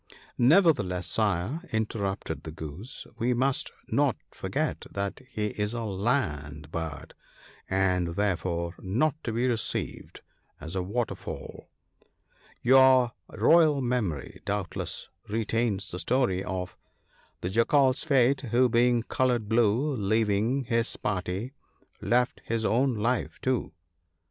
" Nevertheless, Sire," interrupted the Goose, " we must not forget that he is a land bird, and therefore not to be received as a water fowl. Your royal memory doubtless retains the story of " The Jackal's fate, who being coloured blue, Leaving his party, left his own life too.